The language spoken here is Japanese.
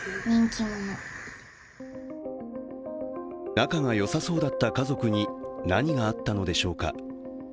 仲がよさそうだった家族に何があったのでしょうか。